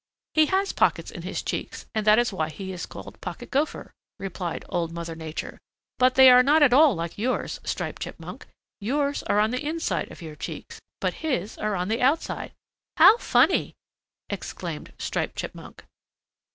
"He has pockets in his cheeks, and that is why he is called Pocket Gopher," replied Old Mother Nature; "but they are not at all like yours, Striped Chipmunk. Yours are on the inside of your cheeks, but his are on the outside." "How funny!" exclaimed Striped Chipmunk.